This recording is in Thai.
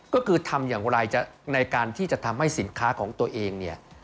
ก็คือทำอย่างไรในการที่จะทำให้สินค้าของตัวเองเนี่ย